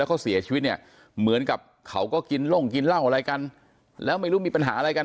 เขาเสียชีวิตเนี่ยเหมือนกับเขาก็กินล่งกินเหล้าอะไรกันแล้วไม่รู้มีปัญหาอะไรกัน